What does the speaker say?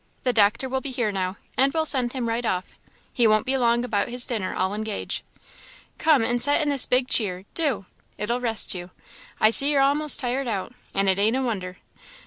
the doctor will be here now, and we'll send him right off; he won't be long about his dinner, I'll engage. Come and set in this big cheer do! it'll rest you; I see you're a'most tired out, and it ain't a wonder.